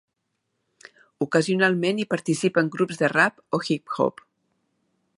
Ocasionalment hi participen grups de rap o hip hop.